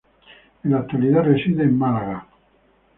En la actualidad reside en Málaga.